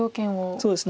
そうですね